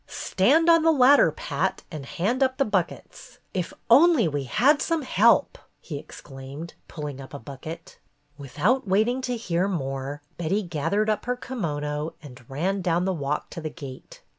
"Stand on the ladder, Pat, and hand up the buckets. If we only had some help!" he ex claimed, pulling up a bucket. Without waiting to hear more, Betty gath ered up her kimono and ran down the walk to the gate.